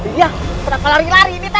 lihat kenapa lari lari